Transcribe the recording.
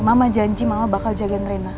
mama janji mama bakal jagain rena